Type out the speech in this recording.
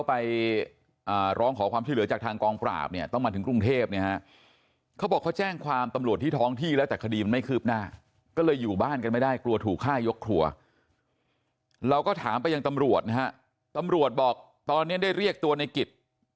อาจจะพูดไปโดยไม่ทันคิด